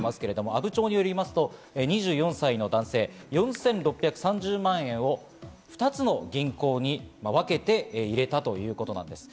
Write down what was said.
阿武町によりますと２４歳の男性、４６３０万円を２つの銀行に分けて入れたということなんです。